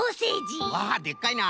あっでっかいな。